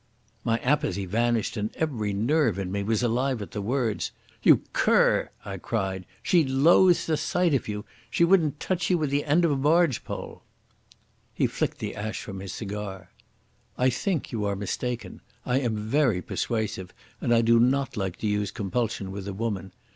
My apathy vanished, and every nerve in me was alive at the words. "You cur!" I cried. "She loathes the sight of you. She wouldn't touch you with the end of a barge pole." He flicked the ash from his cigar. "I think you are mistaken. I am very persuasive, and I do not like to use compulsion with a woman.